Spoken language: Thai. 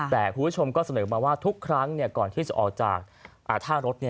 แต่คุณผู้ชมก็เสนอมาว่าทุกครั้งก่อนที่จะออกจากท่ารถ